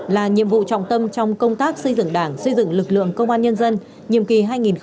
là nhiệm vụ trọng tâm trong công tác xây dựng đảng xây dựng lực lượng công an nhân dân nhiệm kỳ hai nghìn một mươi sáu hai nghìn hai mươi năm